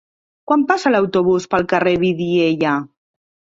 Quan passa l'autobús pel carrer Vidiella?